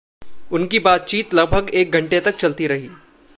उनकी बातचीत लगभग एक घंटे तक चलती रही।